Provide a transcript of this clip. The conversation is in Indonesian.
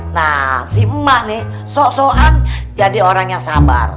nah si emak nih sok soan jadi orang yang sabar